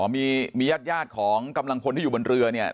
มีญาติของกำลังพลที่อยู่บนเรือเนี่ย